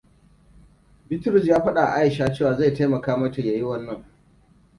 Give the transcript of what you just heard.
Bitrus ya fadawa Aisha cewa zai taimaka mata ya yi wannan.